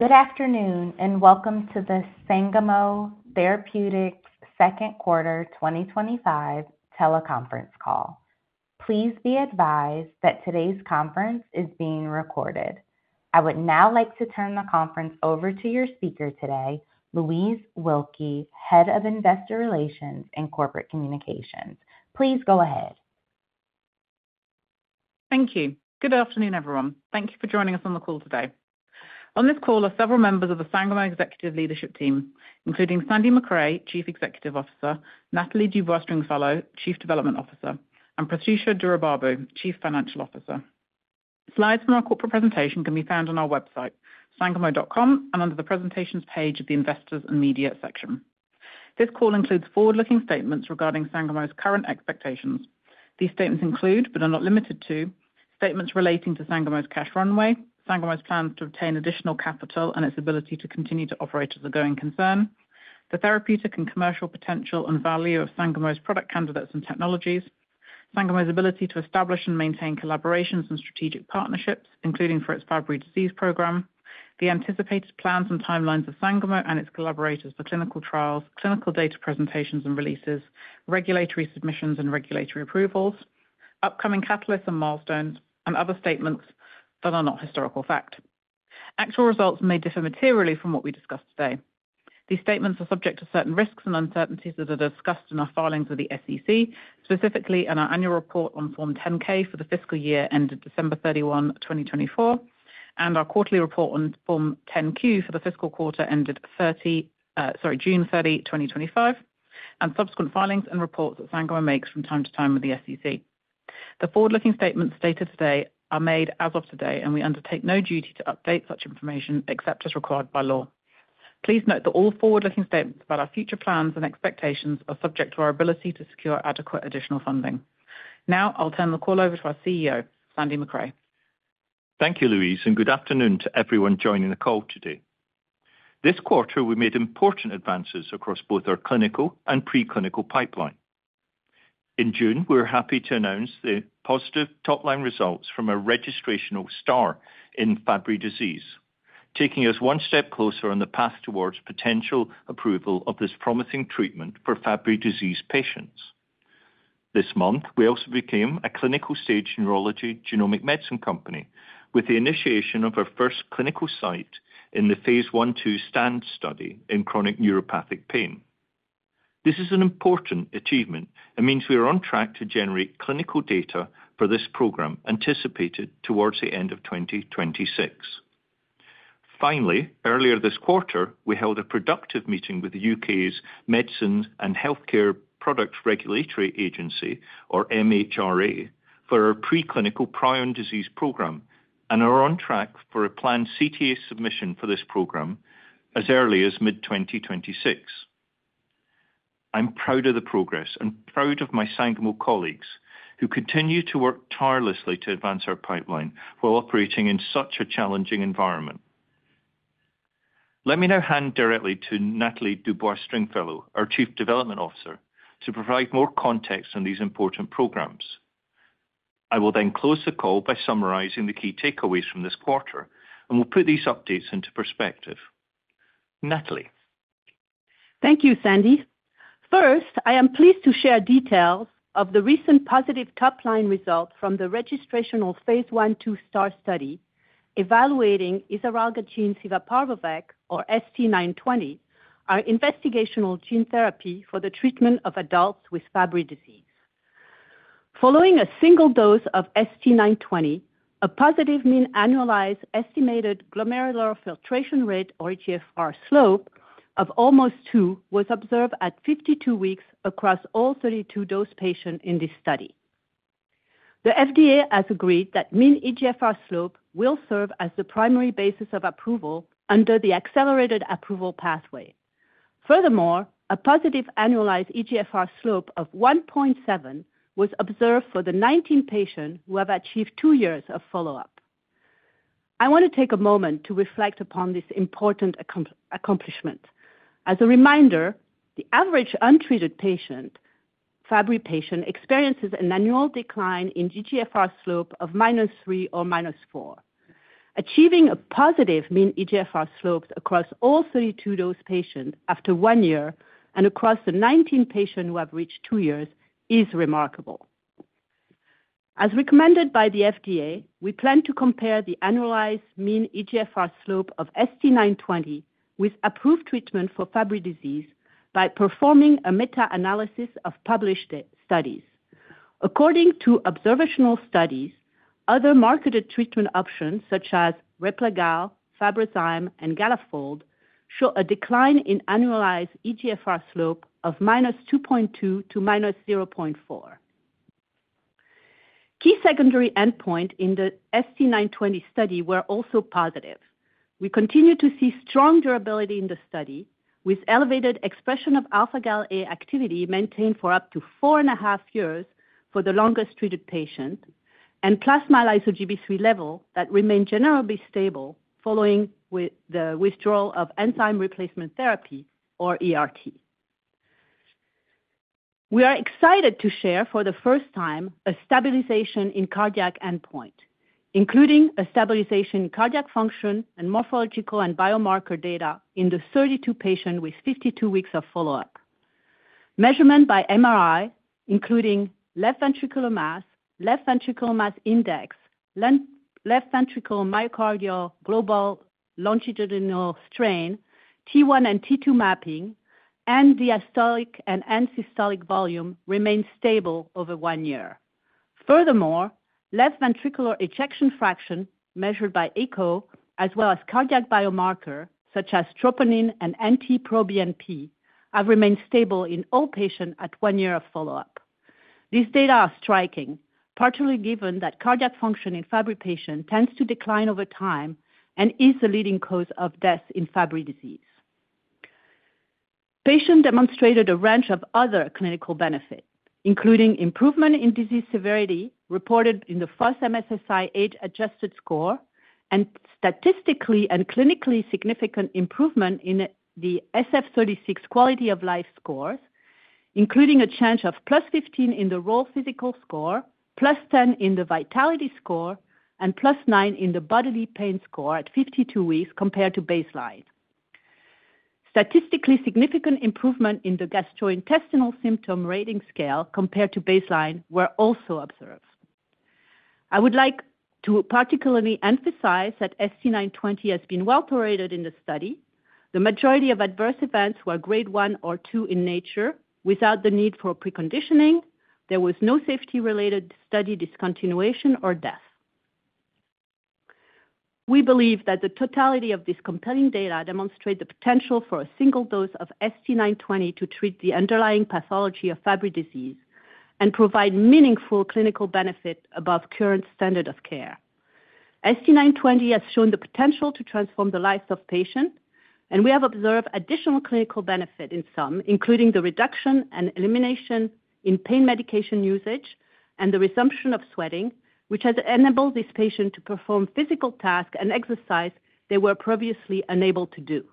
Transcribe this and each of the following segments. Good afternoon and welcome to the Sangamo Therapeutics Second Quarter 2025 Teleconference Call. Please be advised that today's conference is being recorded. I would now like to turn the conference over to your speaker today, Louise Wilkie, Head of Investor Relations and Corporate Communications. Please go ahead. Thank you. Good afternoon, everyone. Thank you for joining us on the call today. On this call are several members of the Sangamo Executive Leadership Team, including Sandy Macrae, Chief Executive Officer, Nathalie Dubois-Stringfellow, Chief Development Officer, and Prathyusha Duraibabu, Chief Financial Officer. Slides from our corporate presentation can be found on our website, sangamo.com, and under the Presentations page of the Investors and Media section. This call includes forward-looking statements regarding Sangamo's current expectations. These statements include, but are not limited to, statements relating to Sangamo's cash runway, Sangamo's plans to obtain additional capital, and its ability to continue to operate as a going concern, the therapeutic and commercial potential and value of Sangamo's product candidates and technologies, Sangamo's ability to establish and maintain collaborations and strategic partnerships, including for its Fabry disease program, the anticipated plans and timelines of Sangamo and its collaborators for clinical trials, clinical data presentations and releases, regulatory submissions and regulatory approvals, upcoming catalysts and milestones, and other statements that are not historical fact. Actual results may differ materially from what we discussed today. These statements are subject to certain risks and uncertainties that are discussed in our filings with the SEC, specifically in our annual report on Form 10-K for the fiscal year ended December 31, 2024, and our quarterly report on Form 10-Q for the fiscal quarter ended June 30, 2025, and subsequent filings and reports that Sangamo makes from time to time with the SEC. The forward-looking statements stated today are made as of today, and we undertake no duty to update such information except as required by law. Please note that all forward-looking statements about our future plans and expectations are subject to our ability to secure adequate additional funding. Now, I'll turn the call over to our CEO, Sandy Macrae. Thank you, Louise, and good afternoon to everyone joining the call today. This quarter, we made important advances across both our clinical and preclinical pipeline. In June, we were happy to announce the positive top-line results from a registration STAAR in Fabry disease, taking us one step closer on the path towards potential approval of this promising treatment for Fabry disease patients. This month, we also became a clinical-stage neurology genomic medicine company, with the initiation of our first clinical site in the phase I/II STAND study in chronic neuropathic pain. This is an important achievement and means we are on track to generate clinical data for this program anticipated towards the end of 2026. Earlier this quarter, we held a productive meeting with the U.K.'s Medicines and Healthcare products Regulatory Agency, or MHRA, for our preclinical prion disease program and are on track for a planned CTA submission for this program as early as mid-2026. I'm proud of the progress and proud of my Sangamo colleagues who continue to work tirelessly to advance our pipeline while operating in such a challenging environment. Let me now hand directly to Nathalie Dubois-Stringfellow, our Chief Development Officer, to provide more context on these important programs. I will then close the call by summarizing the key takeaways from this quarter and will put these updates into perspective. Nathalie. Thank you, Sandy. First, I am pleased to share details of the recent positive top-line results from the registration phase I/II STAAR study evaluating isaralgagene civaparvovec, or ST-920, our investigational gene therapy for the treatment of adults with Fabry disease. Following a single dose of ST-920, a positive mean annualized estimated glomerular filtration rate, or eGFR slope, of almost 2 was observed at 52 weeks across all 32 dosed patients in this study. The FDA has agreed that mean eGFR slope will serve as the primary basis of approval under the accelerated approval pathway. Furthermore, a positive annualized eGFR slope of 1.7 was observed for the 19 patients who have achieved two years of follow-up. I want to take a moment to reflect upon this important accomplishment. As a reminder, the average untreated Fabry patient experiences an annual decline in eGFR slope of -3 or -4. Achieving a positive mean eGFR slope across all 32 dosed patients after one year and across the 19 patients who have reached two years is remarkable. As recommended by the FDA, we plan to compare the annualized mean eGFR slope of ST-920 with approved treatment for Fabry disease by performing a meta-analysis of published studies. According to observational studies, other marketed treatment options such as Replagal, Fabrazyme, and Galafold show a decline in annualized eGFR slope of -2.2 to -0.4. Key secondary endpoints in the ST-920 study were also positive. We continue to see strong durability in the study, with elevated expression of alpha-Gal A activity maintained for up to four and a half years for the longest treated patient, and plasma lyso-Gb3 level that remained generally stable following the withdrawal of enzyme replacement therapy, or ERT. We are excited to share for the first time a stabilization in cardiac endpoint, including a stabilization in cardiac function and morphological and biomarker data in the 32 patients with 52 weeks of follow-up. Measurement by MRI, including left ventricular mass, left ventricular mass index, left ventricular myocardial global longitudinal strain, T1 and T2 mapping, and diastolic and end-systolic volume remained stable over one year. Furthermore, left ventricular ejection fraction measured by echo as well as cardiac biomarkers such as troponin and NT-proBNP have remained stable in all patients at one year of follow-up. These data are striking, particularly given that cardiac function in Fabry patients tends to decline over time and is the leading cause of death in Fabry disease. Patients demonstrated a range of other clinical benefits, including improvement in disease severity reported in the FOS MSSI age-adjusted score and statistically and clinically significant improvement in the SF-36 quality of life scores, including a change of +15 in the raw physical score, +10 in the vitality score, and +9 in the bodily pain score at 52 weeks compared to baseline. Statistically significant improvement in the gastrointestinal symptom rating scale compared to baseline was also observed. I would like to particularly emphasize that ST-920 has been well tolerated in the study. The majority of adverse events were grade 1 or 2 in nature without the need for preconditioning. There was no safety-related study discontinuation or death. We believe that the totality of this compelling data demonstrates the potential for a single dose of ST-920 to treat the underlying pathology of Fabry disease and provide meaningful clinical benefit above current standard of care. ST-920 has shown the potential to transform the lives of patients, and we have observed additional clinical benefit in some, including the reduction and elimination in pain medication usage and the resumption of sweating, which has enabled these patients to perform physical tasks and exercise they were previously unable to do.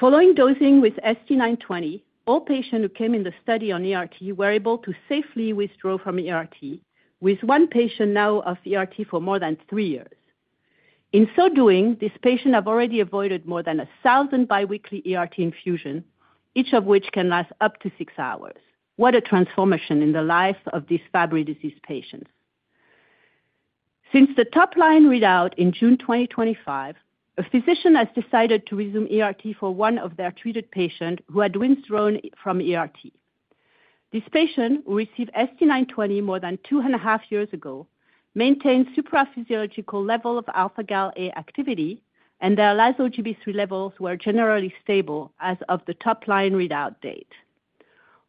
Following dosing with ST-920, all patients who came in the study on ERT were able to safely withdraw from ERT, with one patient now off ERT for more than three years. In so doing, these patients have already avoided more than 1,000 biweekly ERT infusions, each of which can last up to six hours. What a transformation in the life of these Fabry disease patients. Since the top-line readout in June 2025, a physician has decided to resume ERT for one of their treated patients who had withdrawn from ERT. This patient, who received ST-920 more than two and a half years ago, maintained supraphysiological levels of alpha-Gal A activity, and their lyso-Gb3 levels were generally stable as of the top-line readout date.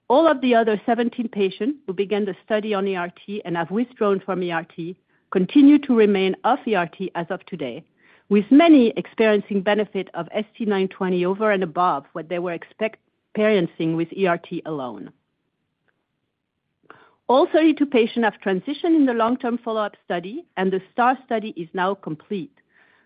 All of the other 17 patients who began the study on ERT and have withdrawn from ERT continue to remain off ERT as of today, with many experiencing benefit of ST-920 over and above what they were experiencing with ERT alone. All 32 patients have transitioned in the long-term follow-up study, and the STAAR study is now complete.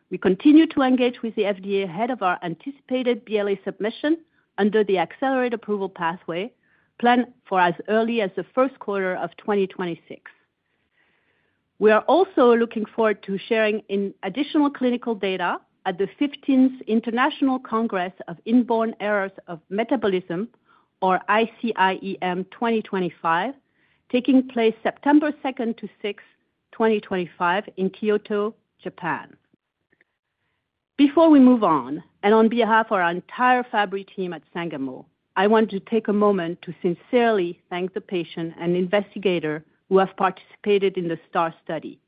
We continue to engage with the FDA ahead of our anticipated BLA submission under the accelerated approval pathway, planned for as early as the first quarter of 2026. We are also looking forward to sharing additional clinical data at the 15th International Congress of Inborn Errors of Metabolism, or ICIEM 2025, taking place September 2-6, 2025, in Kyoto, Japan. Before we move on, and on behalf of our entire Fabry team at Sangamo, I want to take a moment to sincerely thank the patient and investigator who have participated in the STAAR study.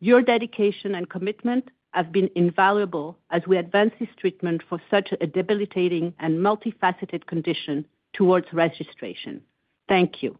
Your dedication and commitment have been invaluable as we advance this treatment for such a debilitating and multifaceted condition towards registration. Thank you.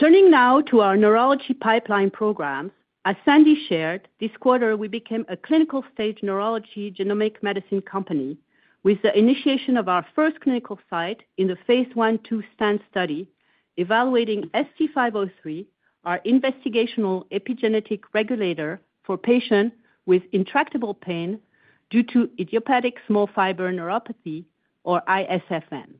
Turning now to our neurology pipeline program, as Sandy shared, this quarter we became a clinical-stage neurology genomic medicine company with the initiation of our first clinical site in the phase I/II STAND study evaluating ST-503, our investigational epigenetic regulator for patients with intractable pain due to idiopathic small fiber neuropathy, or ISFN.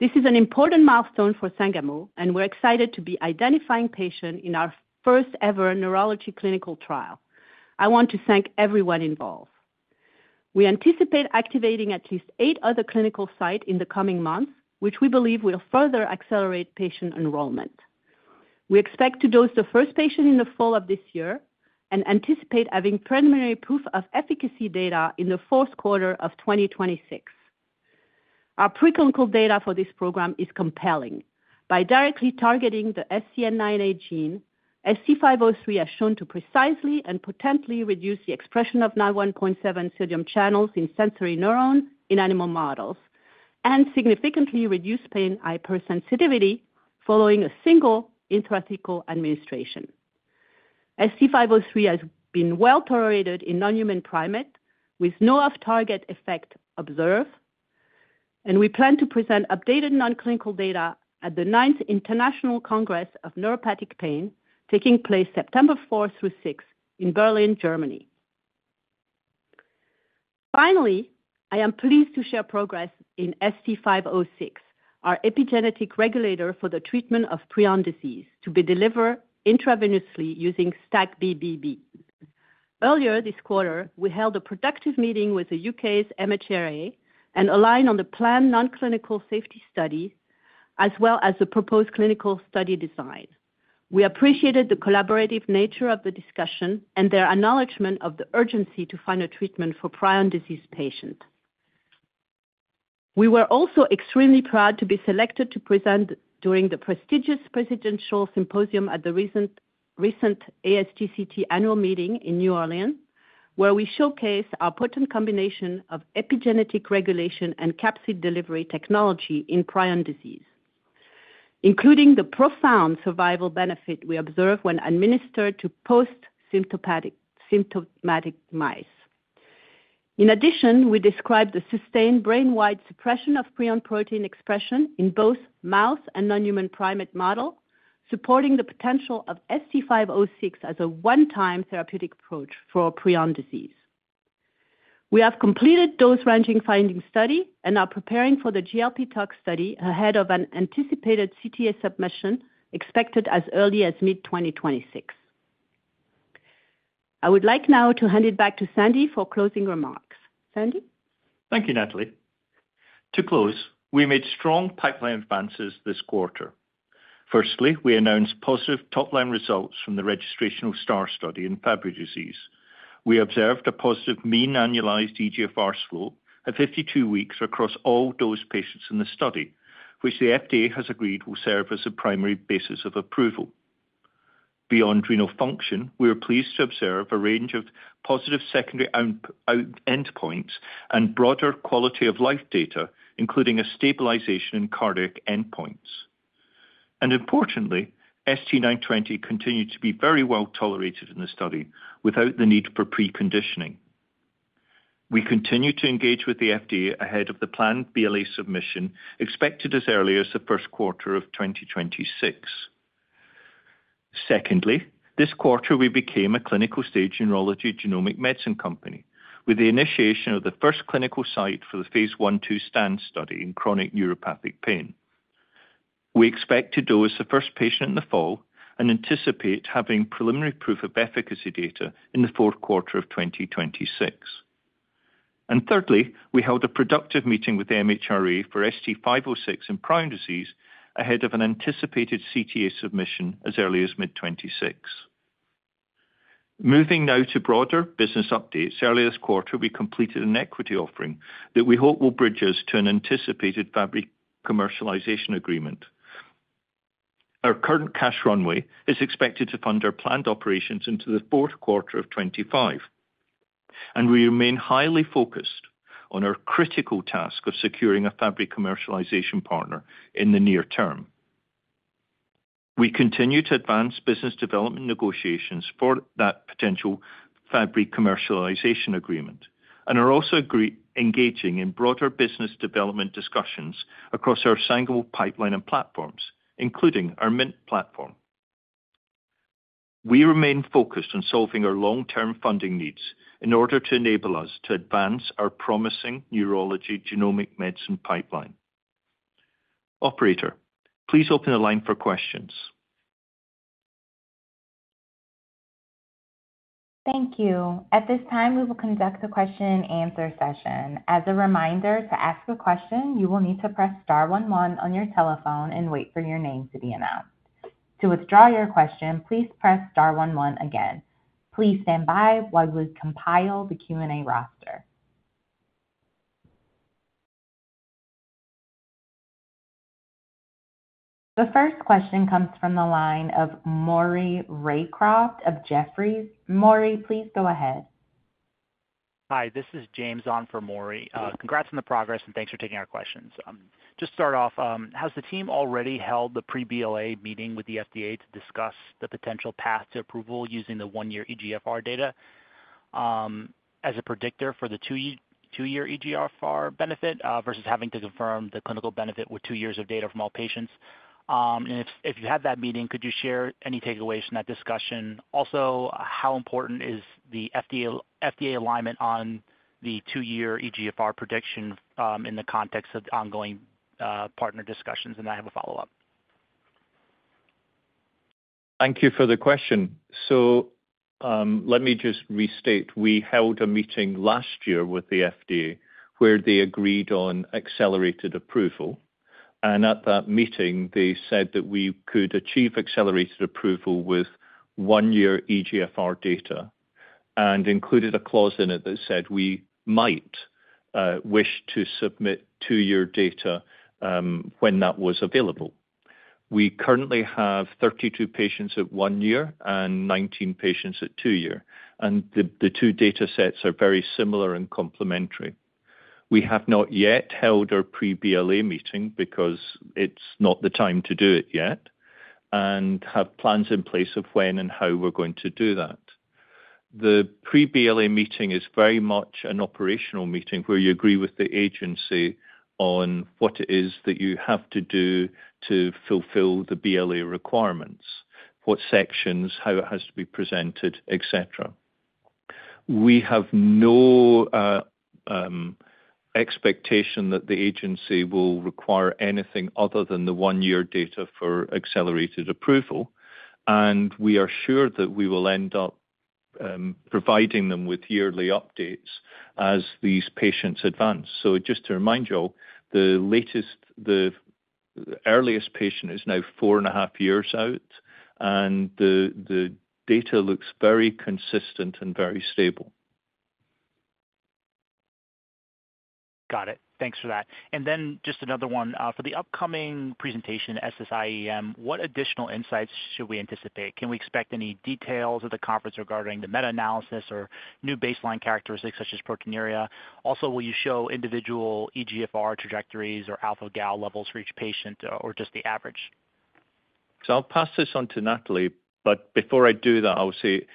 This is an important milestone for Sangamo, and we're excited to be identifying patients in our first ever neurology clinical trial. I want to thank everyone involved. We anticipate activating at least eight other clinical sites in the coming months, which we believe will further accelerate patient enrollment. We expect to dose the first patient in the fall of this year and anticipate having preliminary proof of efficacy data in the fourth quarter of 2026. Our preclinical data for this program is compelling. By directly targeting the SCN9A gene, ST-503 has shown to precisely and potentially reduce the expression of NAV1.7 sodium channels in sensory neurons in animal models and significantly reduce pain hypersensitivity following a single intrathecal administration. ST-503 has been well tolerated in non-human primates with no off-target effect observed, and we plan to present updated non-clinical data at the 9th International Congress of Neuropathic Pain, taking place September 4-6 in Berlin, Germany. Finally, I am pleased to share progress in ST-506, our epigenetic regulator for the treatment of prion disease, to be delivered intravenously using STAC-BBB. Earlier this quarter, we held a productive meeting with the U.K.'s MHRA and aligned on the planned non-clinical safety studies as well as the proposed clinical study design. We appreciated the collaborative nature of the discussion and their acknowledgement of the urgency to find a treatment for prion disease patients. We were also extremely proud to be selected to present during the prestigious Presidential Symposium at the recent ASGCT annual meeting in New Orleans, where we showcased our potent combination of epigenetic regulation and capsid delivery technology in prion disease, including the profound survival benefit we observed when administered to post-symptomatic mice. In addition, we described the sustained brain-wide suppression of prion protein expression in both mouse and non-human primate models, supporting the potential of ST-506 as a one-time therapeutic approach for prion disease. We have completed the dose-ranging finding study and are preparing for the GLP tox study ahead of an anticipated CTA submission expected as early as mid-2026. I would like now to hand it back to Sandy for closing remarks. Sandy? Thank you, Nathalie. To close, we made strong pipeline advances this quarter. Firstly, we announced positive top-line results from the registration-enabling STAAR study in Fabry disease. We observed a positive mean annualized eGFR slope at 52 weeks across all dose patients in the study, which the FDA has agreed will serve as a primary basis of approval. Beyond renal function, we are pleased to observe a range of positive secondary endpoints and broader quality of life data, including a stabilization in cardiac endpoints. Importantly, ST-920 continued to be very well tolerated in the study without the need for preconditioning. We continue to engage with the FDA ahead of the planned BLA submission expected as early as the first quarter of 2026. Secondly, this quarter we became a clinical-stage neurology genomic medicine company with the initiation of the first clinical site for the phase I/II STAND study in chronic neuropathic pain. We expect to dose the first patient in the fall and anticipate having preliminary proof of efficacy data in the fourth quarter of 2026. Thirdly, we held a productive meeting with the MHRA for ST-506 in prion disease ahead of an anticipated CTA submission as early as mid-2026. Moving now to broader business updates, earlier this quarter we completed an equity offering that we hope will bridge us to an anticipated Fabry commercialization agreement. Our current cash runway is expected to fund our planned operations into the fourth quarter of 2025, and we remain highly focused on our critical task of securing a Fabry commercialization partner in the near term. We continue to advance business development negotiations for that potential Fabry commercialization agreement and are also engaging in broader business development discussions across our Sangamo pipeline and platforms, including our MINT platform. We remain focused on solving our long-term funding needs in order to enable us to advance our promising neurology genomic medicine pipeline. Operator, please open the line for questions. Thank you. At this time, we will conduct a question and answer session. As a reminder, to ask a question, you will need to press star one one on your telephone and wait for your name to be announced. To withdraw your question, please press star one one again. Please stand by while we compile the Q&A roster. The first question comes from the line of Maury Raycroft of Jefferies. Maury, please go ahead. Hi, this is James on for Maury. Congrats on the progress and thanks for taking our questions. Just to start off, has the team already held the pre-BLA meeting with the FDA to discuss the potential path to approval using the one-year eGFR data as a predictor for the two-year eGFR benefit versus having to confirm the clinical benefit with two years of data from all patients? If you have that meeting, could you share any takeaways from that discussion? Also, how important is the FDA alignment on the two-year eGFR prediction in the context of ongoing partner discussions? I have a follow-up. Thank you for the question. Let me just restate. We held a meeting last year with the FDA where they agreed on accelerated approval. At that meeting, they said that we could achieve accelerated approval with one-year eGFR data and included a clause in it that said we might wish to submit two-year data when that was available. We currently have 32 patients at one year and 19 patients at two years, and the two data sets are very similar and complementary. We have not yet held our pre-BLA meeting because it's not the time to do it yet and have plans in place of when and how we're going to do that. The pre-BLA meeting is very much an operational meeting where you agree with the agency on what it is that you have to do to fulfill the BLA requirements, what sections, how it has to be presented, etc. We have no expectation that the agency will require anything other than the one-year data for accelerated approval, and we are sure that we will end up providing them with yearly updates as these patients advance. Just to remind you all, the earliest patient is now four and a half years out, and the data looks very consistent and very stable. Got it. Thanks for that. Just another one. For the upcoming presentation at SSIEM, what additional insights should we anticipate? Can we expect any details of the conference regarding the meta-analysis or new baseline characteristics such as proteinuria? Also, will you show individual eGFR trajectories or alpha-Gal levels for each patient or just the average? I'll pass this on to Nathalie. Before I do that, I will say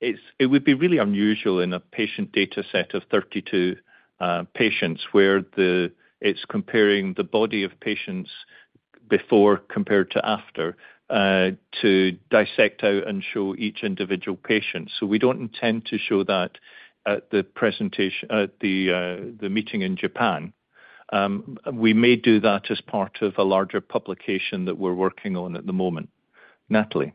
it would be really unusual in a patient data set of 32 patients where it's comparing the body of patients before compared to after to dissect out and show each individual patient. We don't intend to show that at the meeting in Japan. We may do that as part of a larger publication that we're working on at the moment. Nathalie?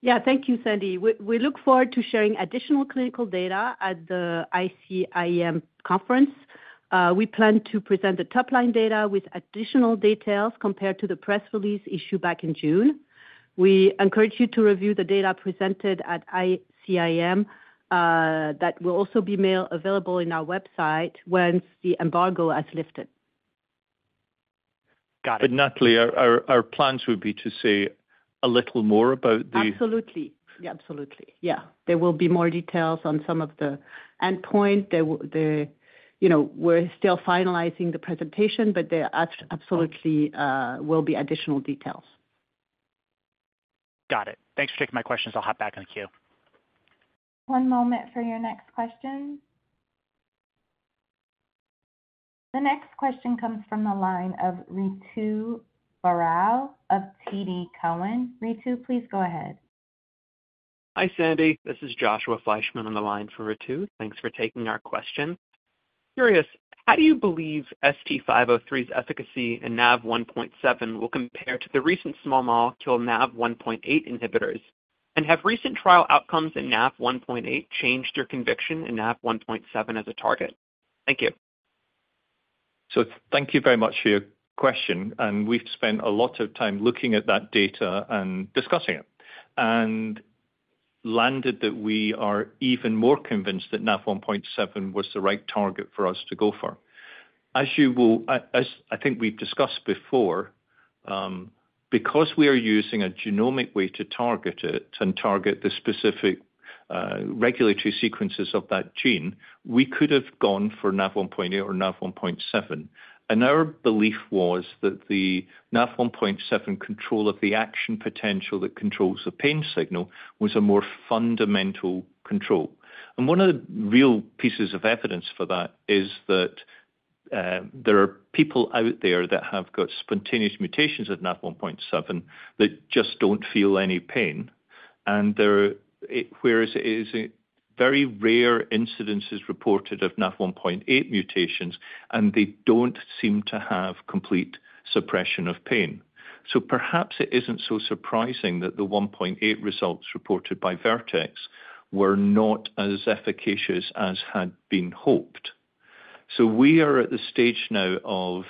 Yeah, thank you, Sandy. We look forward to sharing additional clinical data at the ICIEM conference. We plan to present the top-line data with additional details compared to the press release issued back in June. We encourage you to review the data presented at ICIEM that will also be made available on our website once the embargo has lifted. Got it. Nathalie, our plans would be to say a little more about the. Absolutely. Yeah, absolutely. There will be more details on some of the endpoints. We're still finalizing the presentation, but there absolutely will be additional details. Got it. Thanks for taking my questions. I'll hop back in the queue. One moment for your next question. The next question comes from the line of Ritu Baral of TD Cowen. Ritu, please go ahead. Hi, Sandy. This is Joshua Fleischmann on the line for Ritu. Thanks for taking our question. Curious, how do you believe ST-503's efficacy in NAV1.7 will compare to the recent small molecule NAV1.8 inhibitors? Have recent trial outcomes in NAV1.8 changed your conviction in NAV1.7 as a target? Thank you. Thank you very much for your question. We've spent a lot of time looking at that data and discussing it and landed that we are even more convinced that NAV1.7 was the right target for us to go for. I think we've discussed before, because we are using a genomic way to target it and target the specific regulatory sequences of that gene, we could have gone for NAV1.8 or NAV1.7. Our belief was that the NAV1.7 control of the action potential that controls the pain signal was a more fundamental control. One of the real pieces of evidence for that is that there are people out there that have got spontaneous mutations at NAV1.7 that just don't feel any pain, whereas it is very rare incidences reported of NAV1.8 mutations, and they don't seem to have complete suppression of pain. Perhaps it isn't so surprising that the NAV1.8 results reported by Vertex were not as efficacious as had been hoped. We are at the stage now of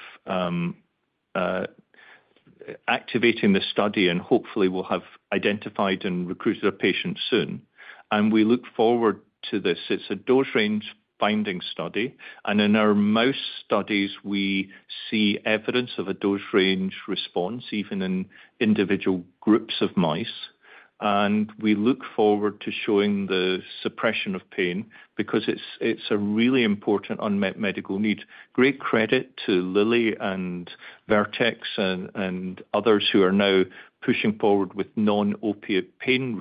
activating the study, and hopefully we'll have identified and recruited our patients soon. We look forward to this. It's a dose range binding study. In our mouse studies, we see evidence of a dose range response even in individual groups of mice. We look forward to showing the suppression of pain because it's a really important unmet medical need. Great credit to Lilly and Vertex and others who are now pushing forward with non-opiate pain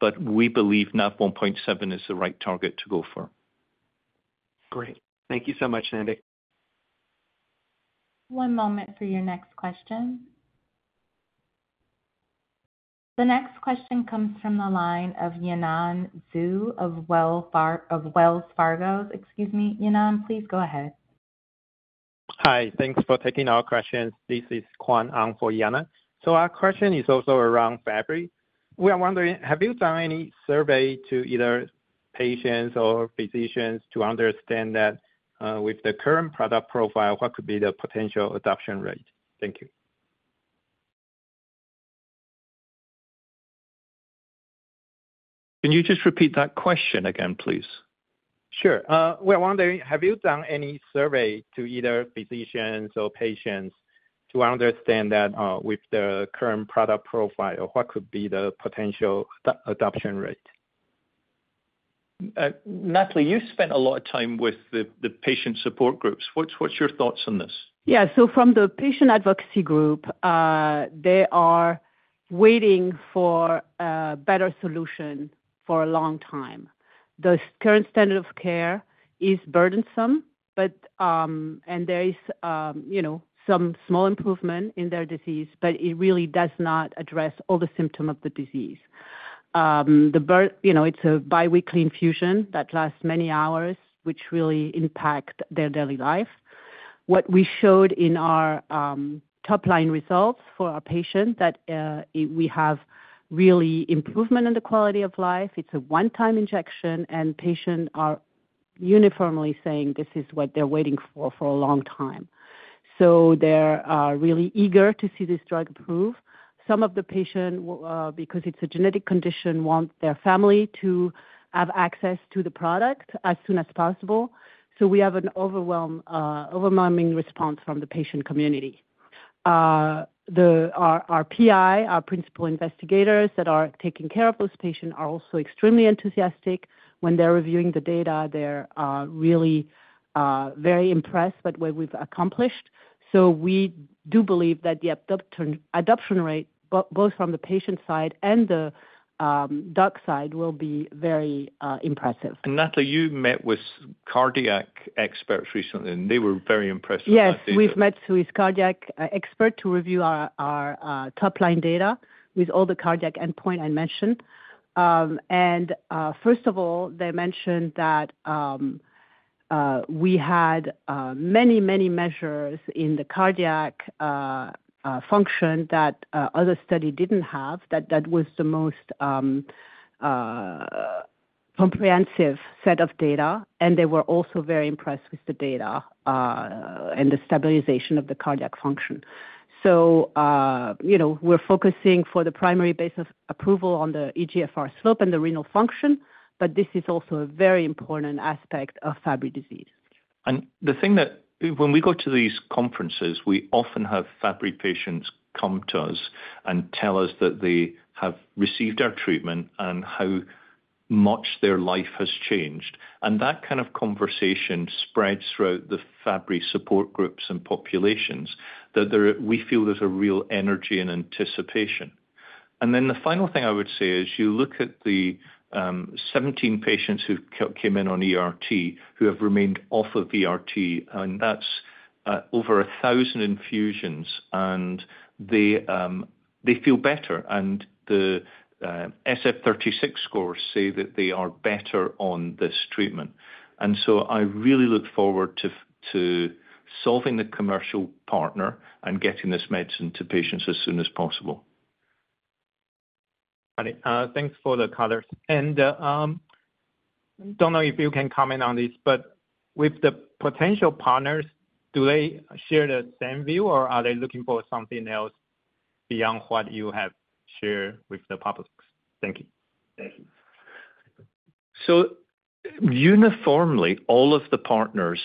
relief. We believe NAV1.7 is the right target to go for. Great. Thank you so much, Sandy. One moment for your next question. The next question comes from the line of Yanan Zhu of Wells Fargo. Excuse me, Yanan, please go ahead. Hi, thanks for taking our question. This is Kuan-Hung for Yanan. Our question is also around Fabry. We are wondering, have you done any survey to either patients or physicians to understand that with the current product profile, what could be the potential adoption rate? Thank you. Can you just repeat that question again, please? Sure. We are wondering, have you done any survey to either physicians or patients to understand that with the current product profile, what could be the potential adoption rate? Nathalie, you spent a lot of time with the patient support groups. What's your thoughts on this? Yeah, from the patient advocacy group, they are waiting for a better solution for a long time. The current standard of care is burdensome, but there is some small improvement in their disease, but it really does not address all the symptoms of the disease. It's a biweekly infusion that lasts many hours, which really impacts their daily life. What we showed in our top-line results for our patients is that we have really improved the quality of life. It's a one-time injection, and patients are uniformly saying this is what they're waiting for for a long time. They are really eager to see this drug approved. Some of the patients, because it's a genetic condition, want their family to have access to the product as soon as possible. We have an overwhelming response from the patient community. Our PI, our principal investigators that are taking care of those patients, are also extremely enthusiastic. When they're reviewing the data, they're really very impressed with what we've accomplished. We do believe that the adoption rate, both from the patient side and the doc side, will be very impressive. Nathalie, you met with cardiac experts recently, and they were very impressed with this. Yes, we've met with cardiac experts to review our top-line data with all the cardiac endpoints I mentioned. First of all, they mentioned that we had many, many measures in the cardiac function that other studies didn't have. That was the most comprehensive set of data. They were also very impressed with the data and the stabilization of the cardiac function. We're focusing for the primary base of approval on the eGFR slope and the renal function, but this is also a very important aspect of Fabry disease. When we go to these conferences, we often have Fabry patients come to us and tell us that they have received our treatment and how much their life has changed. That kind of conversation spreads throughout the Fabry support groups and populations, and we feel there's a real energy and anticipation. The final thing I would say is you look at the 17 patients who came in on ERT who have remained off of ERT, and that's over 1,000 infusions, and they feel better. The SF-36 scores say that they are better on this treatment. I really look forward to solving the commercial partner and getting this medicine to patients as soon as possible. Thanks for the cover. I don't know if you can comment on this, but with the potential partners, do they share the same view, or are they looking for something else beyond what you have shared with the public? Thank you. All of the partners,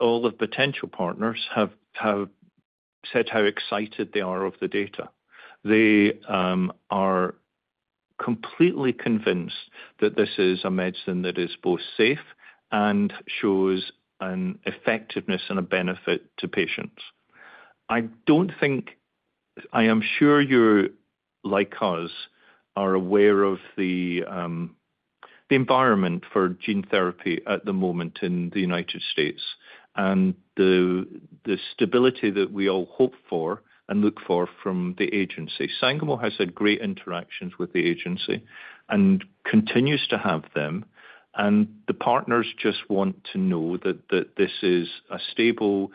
all the potential partners have said how excited they are over the data. They are completely convinced that this is a medicine that is both safe and shows an effectiveness and a benefit to patients. I don't think I am sure you, like us, are aware of the environment for gene therapy at the moment in the U.S. and the stability that we all hope for and look for from the agency. Sangamo has had great interactions with the agency and continues to have them. The partners just want to know that this is a stable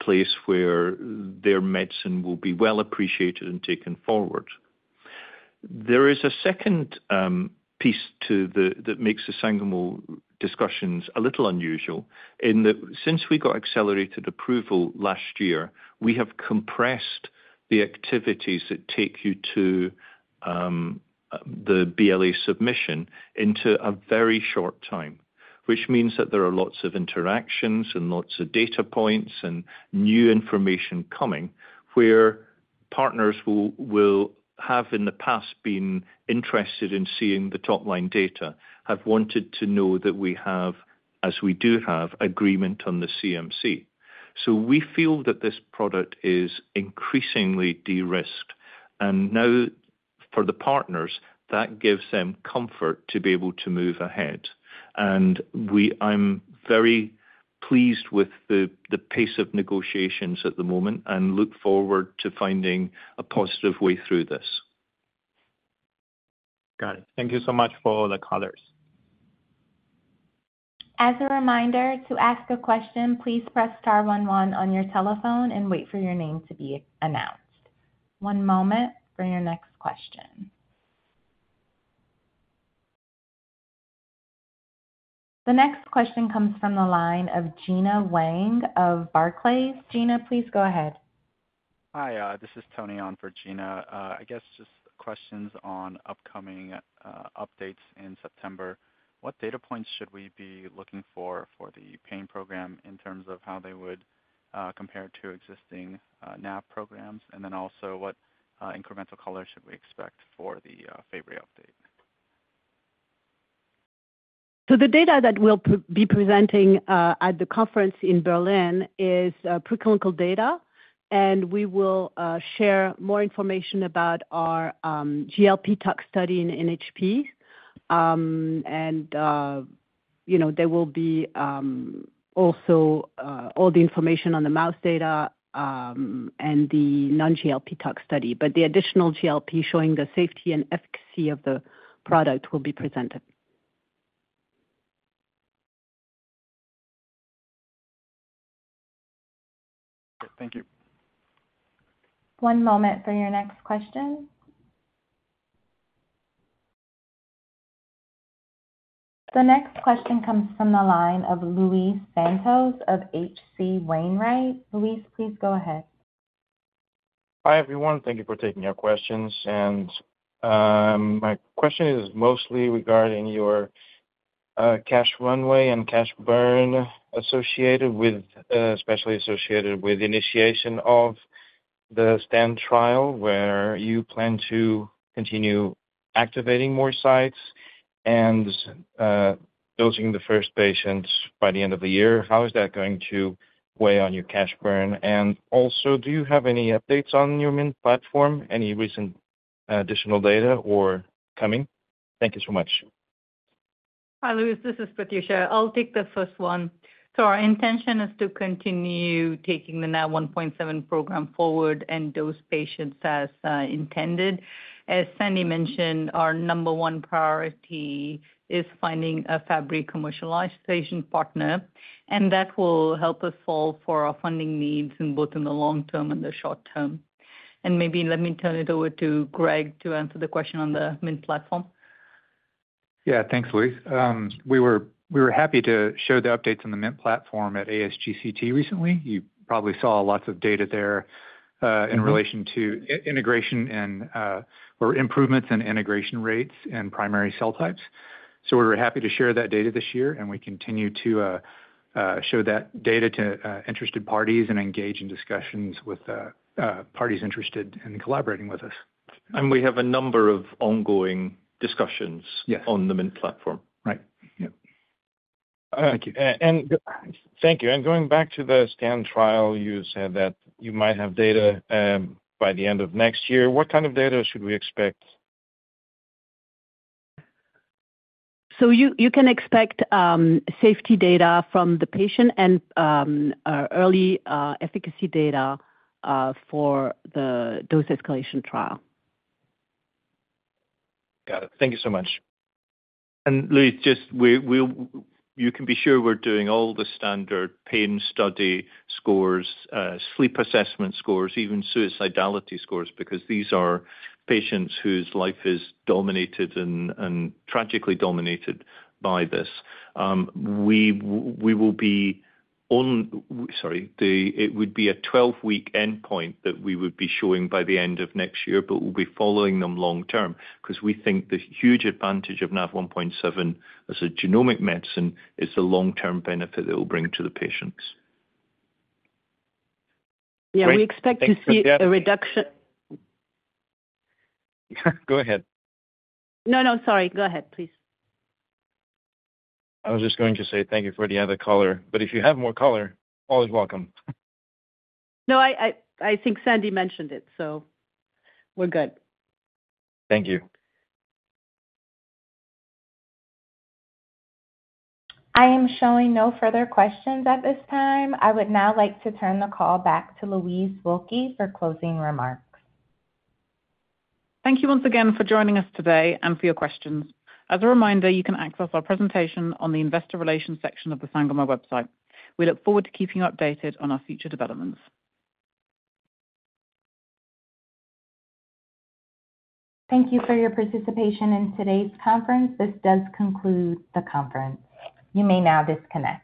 place where their medicine will be well appreciated and taken forward. There is a second piece that makes the Sangamo discussions a little unusual in that since we got accelerated approval last year, we have compressed the activities that take you to the BLA submission into a very short time, which means that there are lots of interactions and lots of data points and new information coming where partners who have in the past been interested in seeing the top-line data have wanted to know that we have, as we do have, agreement on the CMC. We feel that this product is increasingly de-risked. For the partners, that gives them comfort to be able to move ahead. I'm very pleased with the pace of negotiations at the moment and look forward to finding a positive way through this. Got it. Thank you so much for all the covers. As a reminder, to ask a question, please press star one one on your telephone and wait for your name to be announced. One moment for your next question. The next question comes from the line of Gena Wang of Barclays. Gena, please go ahead. Hi, this is Tony on for Gena. I guess just questions on upcoming updates in September. What data points should we be looking for for the pain program in terms of how they would compare to existing NAV1.7 programs? Also, what incremental color should we expect for the February update? The data that we'll be presenting at the conference in Berlin is preclinical data, and we will share more information about our GLP tox study in NHP. There will also be all the information on the mouse data and the non-GLP toxstudy. The additional GLP showing the safety and efficacy of the product will be presented. Thank you. One moment for your next question. The next question comes from the line of Luis Santos of H.C. Wainwright. Louise, please go ahead. Hi, everyone. Thank you for taking your questions. My question is mostly regarding your cash runway and cash burn, especially associated with the initiation of the STAND trial where you plan to continue activating more sites and dosing the first patients by the end of the year. How is that going to weigh on your cash burn? Also, do you have any updates on your MINT platform? Any recent additional data or coming? Thank you so much. Hi, Luis. This is Prathyusha. I'll take the first one. Our intention is to continue taking the NAV1.7 program forward and dose patients as intended. As Sandy mentioned, our number one priority is finding a Fabry commercialization partner, and that will help us solve for our funding needs both in the long term and the short term. Maybe let me turn it over to Greg to answer the question on the MINT platform. Yeah, thanks, Luis. We were happy to show the updates on the MINT platform at ASGCT recently. You probably saw lots of data there in relation to integration and improvements in integration rates and primary cell types. We were happy to share that data this year, and we continue to show that data to interested parties and engage in discussions with parties interested in collaborating with us. We have a number of ongoing discussions on the MINT platform. Right. Yeah. Thank you. Going back to the STAND trial, you said that you might have data by the end of next year. What kind of data should we expect? You can expect safety data from the patient and early efficacy data for the dose escalation trial. Got it. Thank you so much. Luis, you can be sure we're doing all the standard pain study scores, sleep assessment scores, even suicidality scores, because these are patients whose life is dominated and tragically dominated by this. It would be a 12-week endpoint that we would be showing by the end of next year, but we'll be following them long term because we think the huge advantage of NAV1.7 as a genomic medicine is the long-term benefit it will bring to the patients. Yeah, we expect to see a reduction. Go ahead. Sorry. Go ahead, please. I was just going to say thank you for the other color, but if you have more color, always welcome. No, I think Sandy mentioned it, so we're good. Thank you. I am showing no further questions at this time. I would now like to turn the call back to Louise Wilkie for closing remarks. Thank you once again for joining us today and for your questions. As a reminder, you can access our presentation on the Investor Relations section of the Sangamo website. We look forward to keeping you updated on our future developments. Thank you for your participation in today's conference. This does conclude the conference. You may now disconnect.